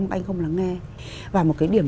mà anh không lắng nghe và một cái điểm